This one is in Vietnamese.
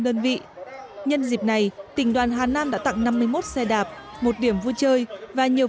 đơn vị nhân dịp này tỉnh đoàn hà nam đã tặng năm mươi một xe đạp một điểm vui chơi và nhiều